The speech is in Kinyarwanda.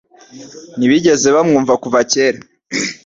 Ntibigeze bamwumva kuva kera.